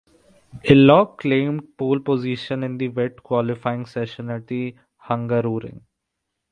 Ilott claimed pole position in the wet qualifying session at the Hungaroring.